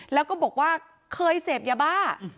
แล้วก็บอกว่าเคยเสพยาบ้า